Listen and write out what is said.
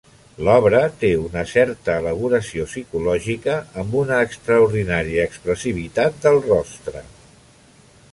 L'obra té una certa elaboració psicològica amb una extraordinària expressivitat del rostre.